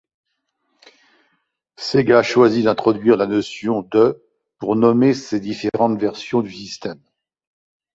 Sega choisit d'introduire la notion de ' pour nommer ces différentes version du système.